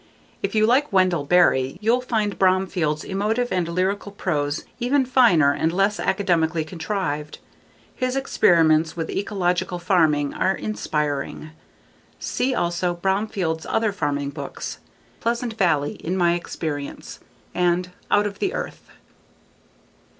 If you like Wendell Berry you'll find Bromfield's emotive and Iyrical prose even finer and less academically contrived. His experiments with ecological farming are inspiring. See also Bromfield's other farming books: Pleasant Valley, In My Experience, and _Out of the Earth.